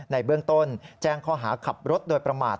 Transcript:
ในเบื้องต้นแจ้งข้อหาขับรถโดยประมาท